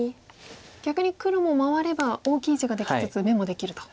逆に黒も回れば大きい地ができつつ眼もできると。